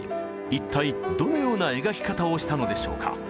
一体どのような描き方をしたのでしょうか。